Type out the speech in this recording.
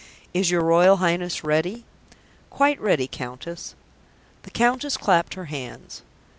"Is your Royal Highness ready?" "Quite ready, Countess." The Countess clapped her hands.